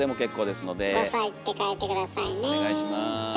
お願いします。